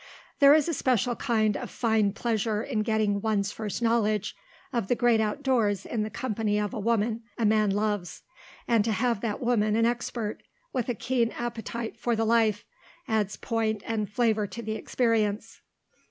There is a special kind of fine pleasure in getting one's first knowledge of the great outdoors in the company of a woman a man loves and to have that woman an expert, with a keen appetite for the life, adds point and flavour to the experience.